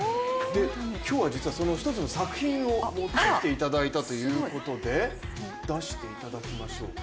今日は１つの作品を持ってきていただいたということで、出していただきましょうか。